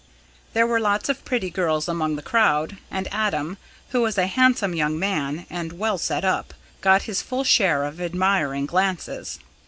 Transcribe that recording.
There were lots of pretty girls among the crowd, and Adam, who was a handsome young man and well set up, got his full share of admiring glances.